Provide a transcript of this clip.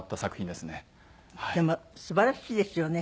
でもすばらしいですよね。